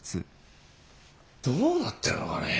どうなってるのかね。